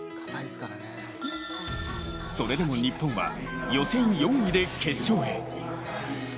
それでも日本は予選４位で決勝へ。